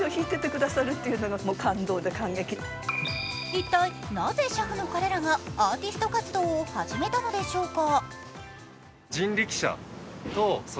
一体、なぜ車夫の彼らがアーティスト活動を始めたのでしょうか。